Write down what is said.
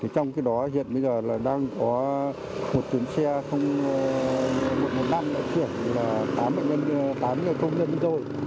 trong cái đó hiện bây giờ là đang có một trường xe không một năm đã chuyển tám người công nhân rồi